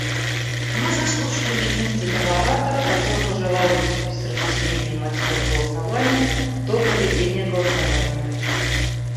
Мы заслушали единственного оратора, который пожелал выступить с разъяснением мотивов голосования до проведения голосования.